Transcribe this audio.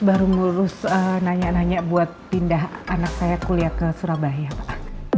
baru ngurus nanya nanya buat pindah anak saya kuliah ke surabaya pak